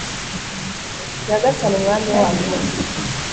nyagasani umwami wacu